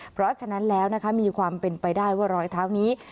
เพราะฉะนั้นแล้วนะคะมีความเป็นไปได้ว่ารอยเท้านี้